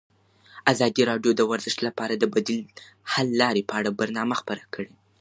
ازادي راډیو د ورزش لپاره د بدیل حل لارې په اړه برنامه خپاره کړې.